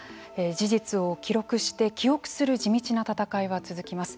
事実を記録して記憶する地道な戦いは続きます。